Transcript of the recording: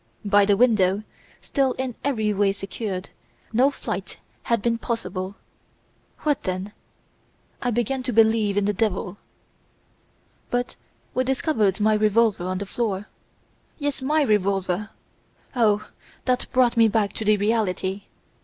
By the window, still in every way secured, no flight had been possible. What then? I began to believe in the Devil. "'But we discovered my revolver on the floor! Yes, my revolver! Oh! that brought me back to the reality!